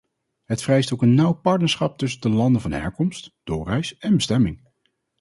Het vereist ook een nauw partnerschap tussen de landen van herkomst, doorreis en bestemming.